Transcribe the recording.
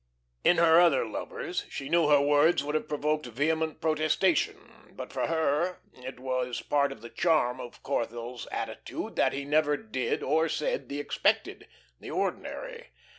In her other lovers she knew her words would have provoked vehement protestation. But for her it was part of the charm of Corthell's attitude that he never did or said the expected, the ordinary.